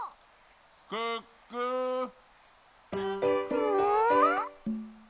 ・うん？